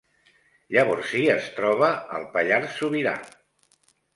Llavorsí es troba al Pallars Sobirà